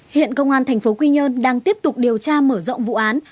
hiện công an tp quy nhơn đang tiếp tục điều tra mở rộng vụ án